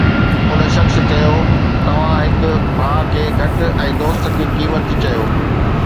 ان شخص چيو: توهان هڪ ڀاءُ کي گهٽ ۽ دوست کي قيمتي چيو